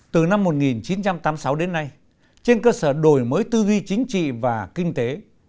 từ năm một nghìn chín trăm tám mươi sáu đến nay trên cơ sở đổi mới tư duy chính trị và kinh tế